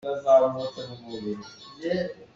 An ram a kauh deuh cun an si a ṭha deuh ve.